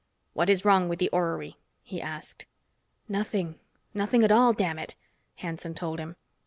"What is wrong with the orrery?" he asked. "Nothing nothing at all, damn it!" Hanson told him.